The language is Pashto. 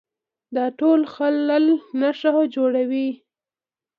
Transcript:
دا ټول خلل نښه جوړوي